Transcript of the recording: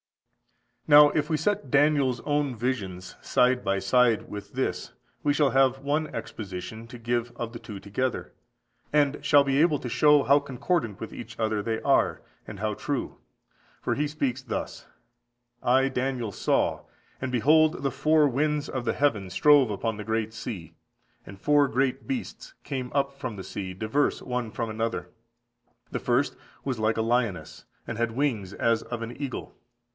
14461446 Dan. ii. 31–35. 20. Now if we set Daniel's own visions also side by side with this, we shall have one exposition to give of the two together, and shall (be able to) show how concordant with each other they are, and how true. For he speaks thus: "I Daniel saw, and behold the four winds of the heaven strove upon the great sea. And four great beasts came up from the sea, diverse one from another. The first (was) like a lioness, and had wings as of an eagle.